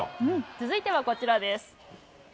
続いてはこちらです。